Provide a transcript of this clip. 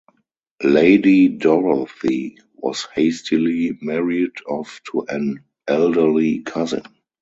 Lady Dorothy was hastily married off to an elderly cousin.